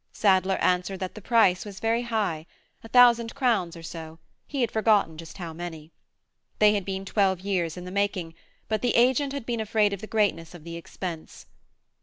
Sadler answered that the price was very high; a thousand crowns or so, he had forgotten just how many. They had been twelve years in the making, but the agent had been afraid of the greatness of the expense.